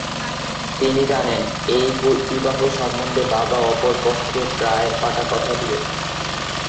তিনি জানেন, এই বিবাহ সম্বন্ধে বাবা অপর পক্ষে প্রায় পাকা কথা দিয়েছেন।